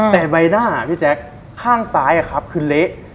แต่ใบหน้าพี่แจ๊คข้างซ้ายคือเละ